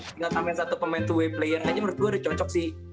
tinggal tambahin satu pemain to we player aja menurut gue udah cocok sih